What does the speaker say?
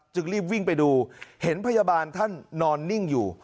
รีบวิ่งไปดูเห็นพยาบาลท่านนอนนิ่งอยู่